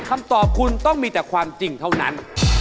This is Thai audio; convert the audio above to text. คำตอบคุณต้องมีแต่ความจริงเท่านั้น